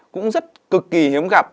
cũng rất cực kỳ hiếm gặp